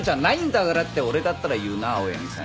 って俺だったら言うな青柳さんに。